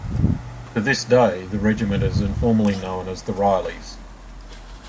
To this day, the regiment is informally known as the Rileys.